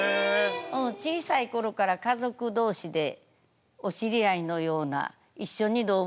小さい頃から家族同士でお知り合いのような一緒に動物園行ったりした仲でした。